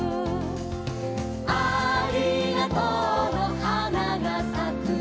「ありがとうのはながさくよ」